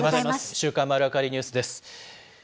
週刊まるわかりニュースです。